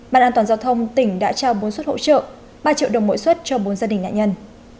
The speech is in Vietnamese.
bàn an toàn giao thông tỉnh đã trao bốn suất hỗ trợ ba triệu đồng mỗi xuất cho bốn gia đình nạn nhân